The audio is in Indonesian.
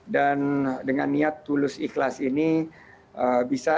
dengan niat tulus ikhlas ini bisa